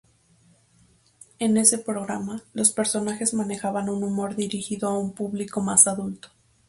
En ese programa, los personajes manejaban un humor dirigido a un público más adulto.